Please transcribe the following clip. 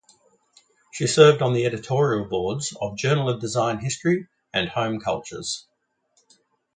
She served on the editorial boards of "Journal of Design History" and "Home Cultures".